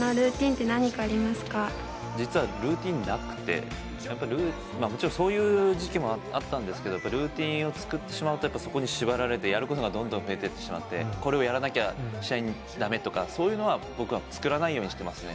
実はルーティーンなくてもちろんそういう時期もあったんですけどルーティーンを作ってしまうとやっぱそこに縛られてやることがどんどん増えてってしまってこれをやらなきゃ試合にダメとかそういうのは僕は作らないようにしてますね